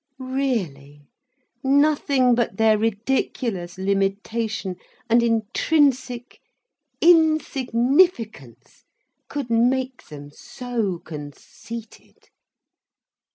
Really, nothing but their ridiculous limitation and intrinsic insignificance could make them so conceited.